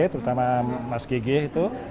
terutama mas gg itu